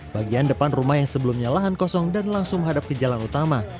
bagian depan rumah yang sebelumnya lahan kosong dan langsung menghadap ke jalan utama